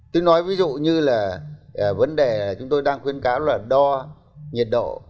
tôi nói ví dụ như là vấn đề là chúng tôi đang khuyên cáo là đo nhiệt độ